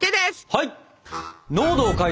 はい！